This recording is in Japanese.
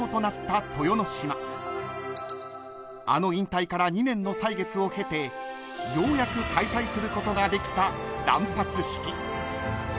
［あの引退から２年の歳月を経てようやく開催することができた断髪式］